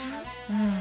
うん。